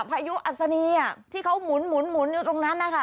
พายุอัศนีที่เขาหมุนอยู่ตรงนั้นนะคะ